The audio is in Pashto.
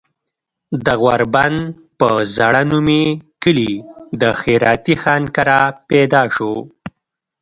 د غوربند پۀ زړه نومي کلي د خېراتي خان کره پيدا شو